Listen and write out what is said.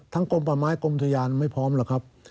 กลมป่าไม้กรมทยานไม่พร้อมหรอกครับ